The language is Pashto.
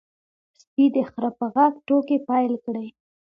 سپي د خره په غږ ټوکې پیل کړې.